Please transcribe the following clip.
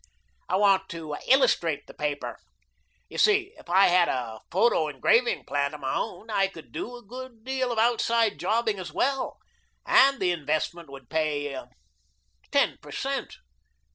I want to illustrate the paper. You see, if I had a photo engraving plant of my own, I could do a good deal of outside jobbing as well, and the investment would pay ten per cent.